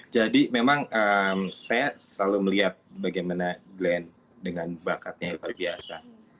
jadi memang saya selalu melihat bagaimana glenn dengan bakatnya yang terbiasa